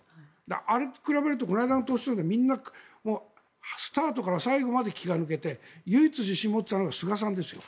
あれに比べるとこの前の党首討論は、最初から最後まで気が抜けて唯一自信を持っていたのは菅さんですよ。